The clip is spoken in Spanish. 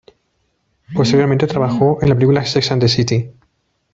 Posteriormente trabajó en la película de Sex and the City.